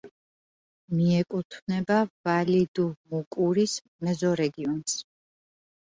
მიეკუთვნება ვალი-დუ-მუკურის მეზორეგიონს.